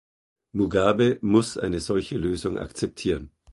Mugabe muss eine solche Lösung akzeptieren.